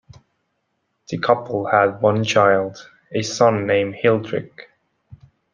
The couple had one child, a son named Hilderic.